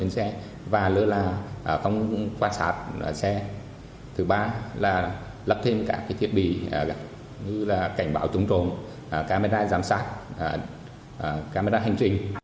cùng nhiều tăng vật khác